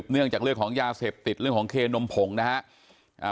เนื่องจากเรื่องของยาเสพติดเรื่องของเคนมผงนะฮะ